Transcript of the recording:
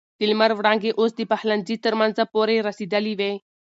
د لمر وړانګې اوس د پخلنځي تر منځه پورې رسېدلې وې.